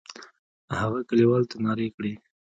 هغه کلیوالو ته نارې کړې.